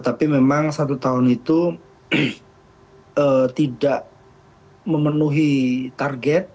tapi memang satu tahun itu tidak memenuhi target